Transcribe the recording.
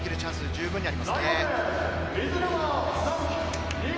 十分ありますね。